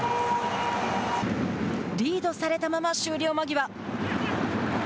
リードされたまま終了間際。